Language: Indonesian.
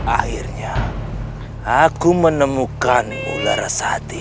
akhirnya aku menemukanmu larasati